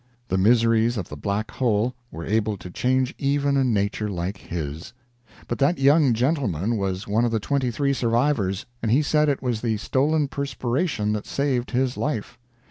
The miseries of the Black Hole were able to change even a nature like his. But that young gentleman was one of the twenty three survivors, and he said it was the stolen perspiration that saved his life.